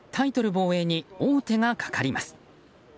防衛に王手がかかります。